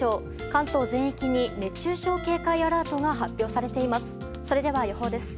関東全域に熱中症警戒アラートが発表されています。